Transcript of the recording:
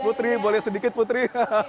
putri boleh sedikit putri